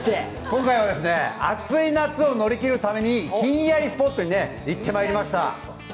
今回は暑い夏を乗り切るためにひんやりスポットに行ってまいりました。